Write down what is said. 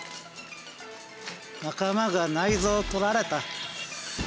仲間が内臓を取られた。